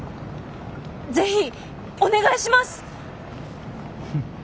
ぜひお願いします！